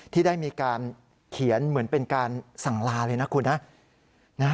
ที่ได้มีการเขียนเหมือนเป็นการสั่งลาเลยนะคุณนะ